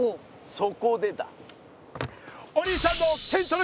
そこでだ。